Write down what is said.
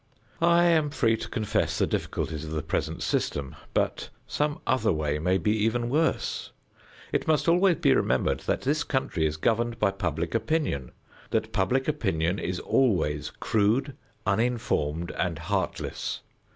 I am free to confess the difficulties of the present system, but some other way may be even worse. It must always be remembered that this country is governed by public opinion, that public opinion is always crude, uninformed and heartless.